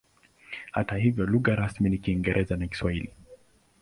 Hata hivyo lugha rasmi ni Kiingereza na Kiswahili.